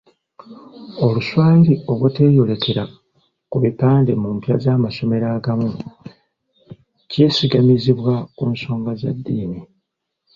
"Oluswayiri obuteeyolekera ku bipande mu mpya z'amasomero agamu, kyesigamizibwa ku nsonga za ddiini."